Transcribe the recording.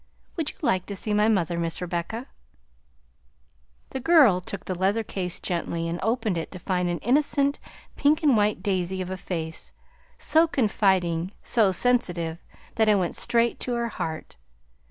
Would you like to see my mother, Miss Rebecca?" The girl took the leather case gently and opened it to find an innocent, pink and white daisy of a face, so confiding, so sensitive, that it went straight to the heart.